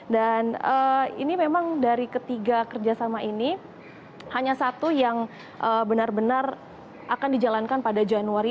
dan ini memang dari ketiga kerjasama ini hanya satu yang benar benar akan dijalankan pada januari